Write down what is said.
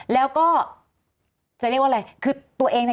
แล้วก็จะเรียกว่าอะไรคือตัวเองเนี่ย